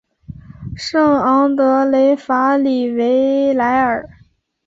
圣昂德雷法里维莱尔。